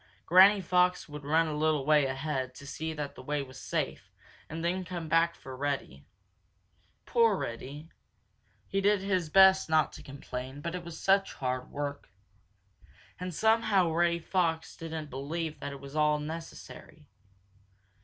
Granny Fox would run a little way ahead to see that the way was safe and then come back for Reddy. Poor Reddy. He did his best not to complain, but it was such hard work. And somehow Reddy Fox didn't believe that it was at all necessary.